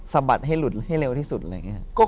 บัดให้หลุดให้เร็วที่สุดอะไรอย่างนี้